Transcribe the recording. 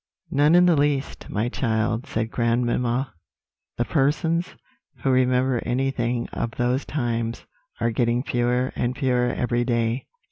"None in the least, my child," said grandmamma; "the persons who remember anything of those times are getting fewer and fewer every day.